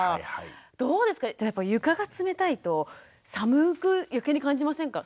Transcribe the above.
どうですか床が冷たいと寒く余計に感じませんか？